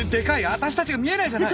アタシたちが見えないじゃない！